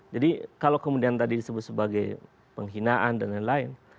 jadi kalau kemudian tadi disebut sebagai penghinaan dan lain lain